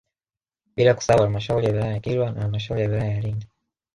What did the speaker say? Bila kusahau Halmashauri ya wilaya ya Kilwa na halmashauri ya wilaya ya Lindi